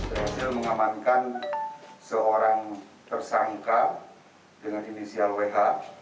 berhasil mengamankan seorang tersangka dengan inisial wh